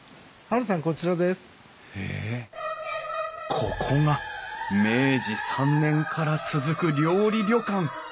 ここが明治３年から続く料理旅館。